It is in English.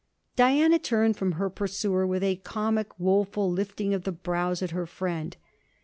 Diana turned from her pursuer with a comic woeful lifting of the brows at her friend.